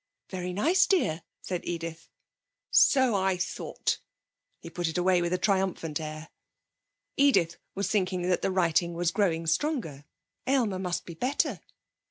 'Very nice, dear,' said Edith. 'So I thought.' He put it away with a triumphant air. Edith was thinking that the writing was growing stronger. Aylmer must be better.